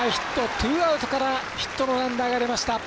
ツーアウトからヒットのランナーが出ました。